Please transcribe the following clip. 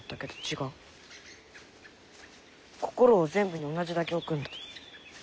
心を全部に同じだけ置くんだ。